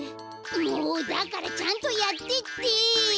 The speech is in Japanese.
もうだからちゃんとやってって！